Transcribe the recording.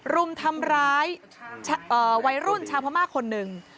รุมทำร้ายวัยรุ่นชาวพม่าคนหนึ่ง